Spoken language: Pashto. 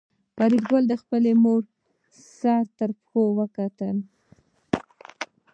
فریدګل خپله مور له سر تر پښو وکتله